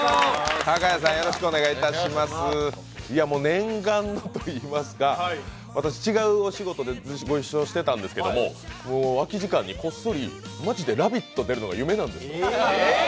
念願のといいますか私、違うお仕事でご一緒してたんですけども空き時間にこっそりマジで「ラヴィット！」出るのが夢なんですって。